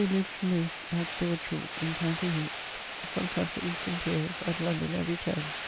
A. lived most at Broad chalke in com. Wilts; sometimes at Easton Piers; at London every terme.